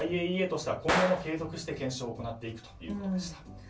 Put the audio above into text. ＩＡＥＡとしては今後も継続して検証を行っていくということでした。